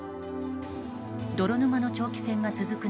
泥沼の長期戦が続く